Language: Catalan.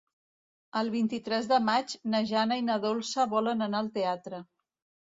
El vint-i-tres de maig na Jana i na Dolça volen anar al teatre.